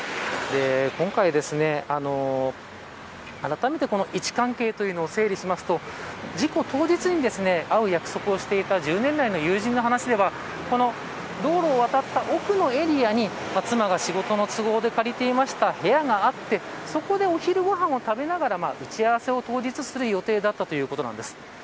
今回あらためて位置関係を整理すると事故当日に会う約束をしていた１０年来の友人の話では道路を渡った奥のエリアに妻が仕事の都合で借りていた部屋があってそこでお昼ご飯を食べながら打ち合わせを当日する予定だったということなんです。